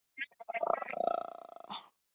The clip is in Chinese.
其仅存在于哥斯达黎加卡塔戈省的模式产地。